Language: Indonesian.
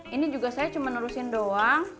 ini juga saya cuma nerusin doang